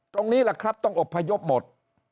ตรงนี้แหละครับต้องอบพยพหมด